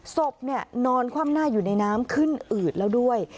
ศพนอนคว่ำหน้าอยู่ในน้ำขึ้นอืดแล้วด้วย